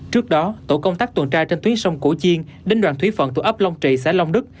trước đó tổ công tác tuần tra trên tuyến sông cổ chiên đến đoàn thúy phận thuộc ấp long trị xã long đức